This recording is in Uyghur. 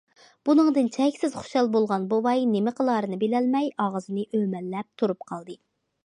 بۇنىڭدىن چەكسىز خۇشال بولغان بوۋاي نېمە قىلارىنى بىلەلمەي، ئاغزىنى ئۆمەللەپ تۇرۇپ قالدى.